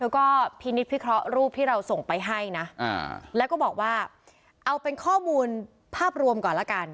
ก็พินิษฐพิเคราะห์รูปที่เราส่งไปให้นะแล้วก็บอกว่าเอาเป็นข้อมูลภาพรวมก่อนละกัน